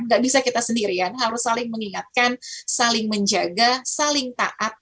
gak bisa kita sendirian harus saling mengingatkan saling menjaga saling taat